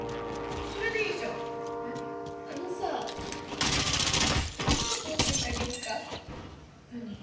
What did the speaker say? それでいいじゃんあのさいいこと教えてあげよっか何？